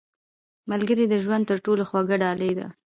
• ملګری د ژوند تر ټولو خوږه ډالۍ ده.